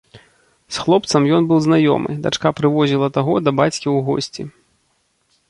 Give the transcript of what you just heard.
З хлопцам ён быў знаёмы, дачка прывозіла таго да бацькі ў госці.